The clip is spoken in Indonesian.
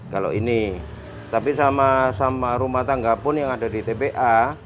kalau ini tapi sama rumah tangga pun yang ada di tpa